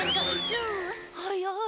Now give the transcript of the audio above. はっやい。